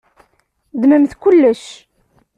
Ddmemt kullec.